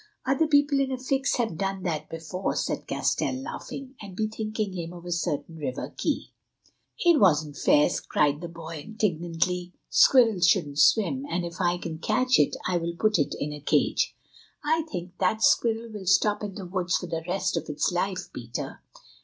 "Other people in a fix have done that before," said Castell, laughing, and bethinking him of a certain river quay. "It wasn't fair," cried the boy indignantly. "Squirrels shouldn't swim, and if I can catch it I will put it in a cage." "I think that squirrel will stop in the woods for the rest of its life, Peter."